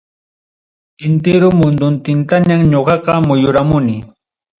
Entero munduntintañam ñoqaqa muyuramuni.